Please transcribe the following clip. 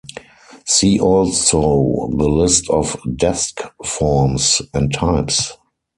See also the list of desk forms and types.